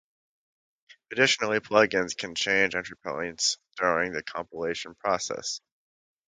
Additionally, plugins can change entry points during the compilation process.